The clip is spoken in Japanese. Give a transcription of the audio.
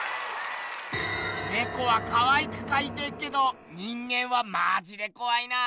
ネコはかわいくかいてっけど人間はマジでこわいな。